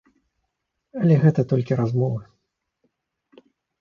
Але гэта толькі размовы.